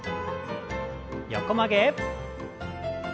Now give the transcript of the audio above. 横曲げ。